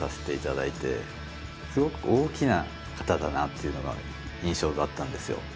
すごく大きな方だなというのが印象だったんですよ。